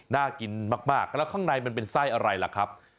น่ากินมากแล้วข้างในมันเป็นไส้อะไรล่ะครับ